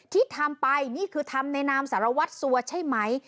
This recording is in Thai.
ที่ทำไปนี่คือทำในนามสารวัตรสัวใช่ไหม